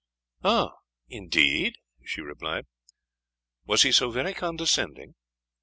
"Ay? indeed?" she replied "was he so very condescending?